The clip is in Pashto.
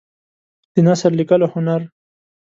د نثر لیکلو هنر